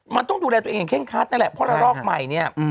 มันต้องดูแลตัวเองเคร่งคัดนั่นแหละเพราะระลอกใหม่เนี่ย